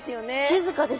静かです。